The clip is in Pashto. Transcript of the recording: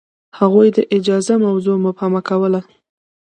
هغوی د اجازه موضوع مبهمه کوله.